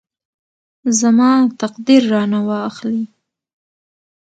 زما تقدیر رانه واخلي.